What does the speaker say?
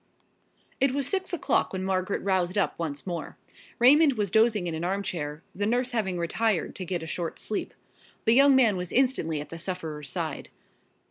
It was six o'clock when Margaret roused up once more. Raymond was dozing in an armchair, the nurse having retired to get a short sleep. The young man was instantly at the sufferer's side.